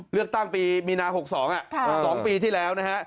เลือกตั้งปีมีนา๖๒๒ปีที่แล้วนะฮะ